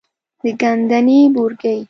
د ګندنې بورګی،